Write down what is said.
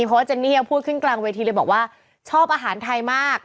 เพราะว่าเจนนี่ยังพูดขึ้นกลางเวทีเลยบอกว่าชอบอาหารไทยมาก